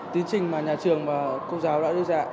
tiến trình mà nhà trường và cô giáo đã dự dạy